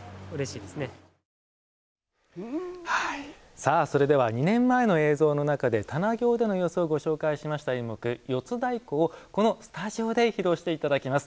さあ、それでは２年前の映像の中で棚経での様子をご紹介しました演目「四つ太鼓」をこのスタジオで披露していただきます。